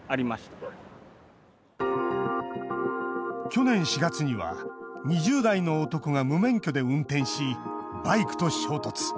去年４月には２０代の男が無免許で運転しバイクと衝突。